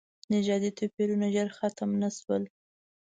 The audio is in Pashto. نژادي توپیرونه ژر ختم نه شول.